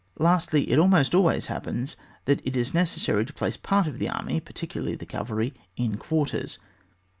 Lastly, it almost always happens that it is necessary to place part of the army, particularly the cavalry, in. quarters.